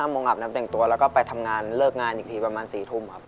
โมงอาบน้ำแต่งตัวแล้วก็ไปทำงานเลิกงานอีกทีประมาณ๔ทุ่มครับ